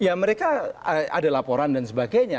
ya mereka ada laporan dan sebagainya